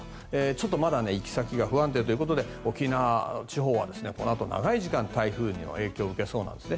ちょっとまだ行き先が不安定ということで沖縄地方はこのあと長い時間台風の影響を受けそうなんです。